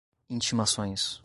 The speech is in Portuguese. intimações